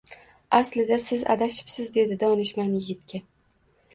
Aslida siz adashibsiz, dedi donishmand yigitga